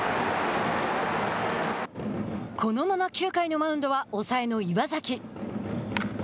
このまま９回のマウンドは抑えの岩崎。